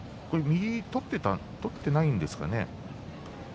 右取っていなかったんですかね